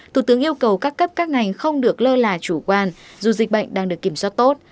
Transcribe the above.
thủ tướng yêu cầu các cấp các ngành không được lơ là chủ quan dù dịch bệnh đang được kiểm soát tốt